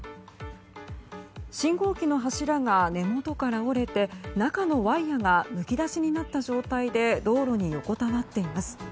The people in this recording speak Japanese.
信号機の柱が根元から折れて中のワイヤがむき出しになった状態で道路に横たわっています。